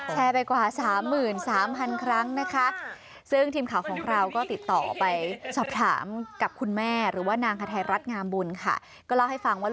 ไปกว่า๓๓๐๐๐ครั้งนะคะ